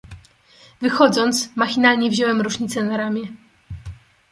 "Wychodząc, machinalnie wziąłem rusznicę na ramię."